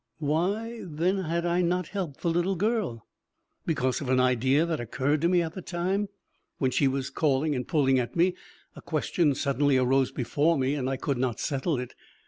Why, then, had I not helped the little girl? Because of an idea that occurred to me at the time: when she was calling and pulling at me, a question suddenly arose before me and I could not settle it.